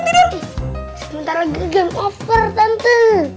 sebentar lagi game over tante